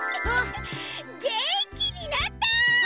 げんきになった！